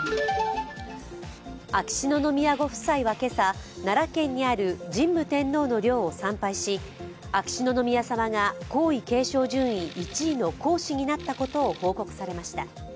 秋篠宮ご夫妻は今朝、奈良県にある神武天皇の陵を参拝し、秋篠宮さまが皇位継承順位１位の皇嗣になったことを報告されました。